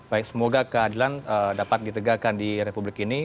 baik semoga keadilan dapat ditegakkan di republik ini